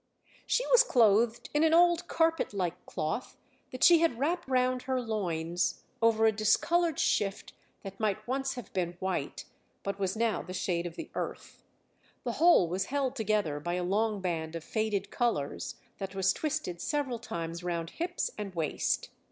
She was clothed in an old carpet like cloth that she had wrapped round her loins over a discoloured shift that might once have been white, but was now the shade of the earth; the whole was held together by a long band of faded colours that was twisted several times round hips and waist.